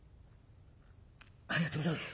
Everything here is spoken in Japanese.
「ありがとうごぜえやす。